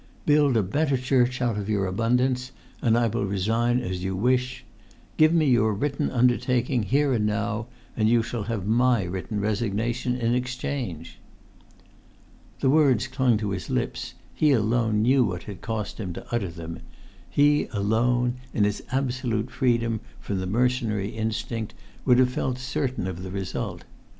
Build a better church out of your abundance, and I will resign as you wish. Give me your written undertaking, here and now, and you shall have my written resignation in exchange." The words clung to his lips; he alone knew what it cost him to utter them; he alone, in his absolute freedom from the mercenary instinct, would have felt certain of the result.